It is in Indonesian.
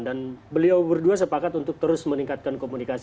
dan beliau berdua sepakat untuk terus meningkatkan komunikasi